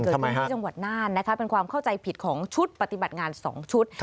เกิดขึ้นที่จังหวัดน่านเป็นความเข้าใจผิดของชุดปฏิบัติงาน๒ชุด